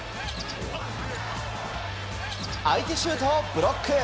相手シュートをブロック。